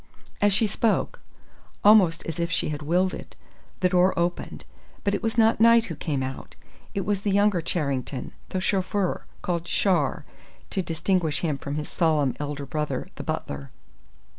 As she spoke, almost as if she had willed it, the door opened. But it was not Knight who came out. It was the younger Charrington, the chauffeur, called "Char," to distinguish him from his solemn elder brother, the butler.